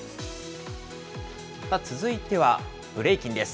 続いてはブレイキンです。